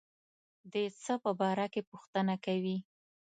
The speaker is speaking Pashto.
د څه په باره کې پوښتنه کوي.